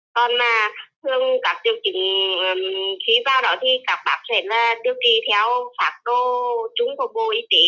còn thường các tiêu chuẩn khí vào đó các bác phải tiêu kỳ theo phạt đô trúng cầu vô ý kỷ